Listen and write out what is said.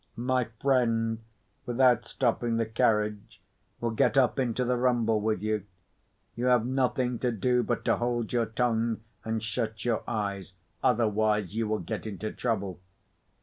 "My friend, without stopping the carriage, will get up into the rumble with you. You have nothing to do but to hold your tongue, and shut your eyes. Otherwise, you will get into trouble."